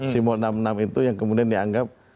simbol enam puluh enam itu yang kemudian dianggap